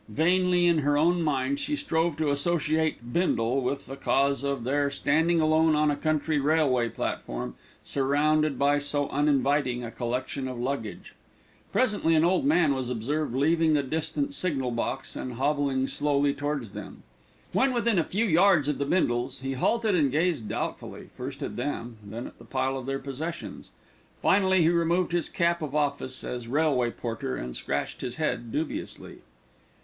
Vainly in her own mind she strove to associate Bindle with the cause of their standing alone on a country railway platform, surrounded by so uninviting a collection of luggage. Presently an old man was observed leaving the distant signal box and hobbling slowly towards them. When within a few yards of the Bindles, he halted and gazed doubtfully, first at them, then at the pile of their possessions. Finally he removed his cap of office as railway porter, and scratched his head dubiously.